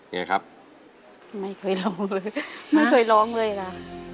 ไงครับไม่เคยร้องเลยไม่เคยร้องเลยล่ะ